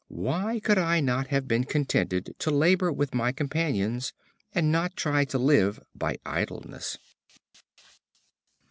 Why could I not have been contented to labor with my companions, and not try to live by idleness?"